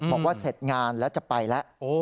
บอกว่าเสร็จงานแล้วจะไปแล้ว